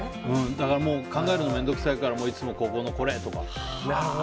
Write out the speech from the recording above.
だから考えるの面倒くさいからいつもこれとか。